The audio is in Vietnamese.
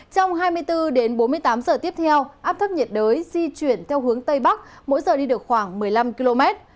trong hai mươi bốn đến bốn mươi tám giờ tiếp theo áp thấp nhiệt đới di chuyển theo hướng tây bắc mỗi giờ đi được khoảng một mươi năm km